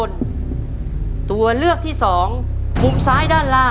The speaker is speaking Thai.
คุณยายแจ้วเลือกตอบจังหวัดนครราชสีมานะครับ